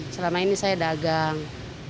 selama ini saya dagang